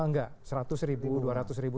enggak seratus ribu dua ratus ribu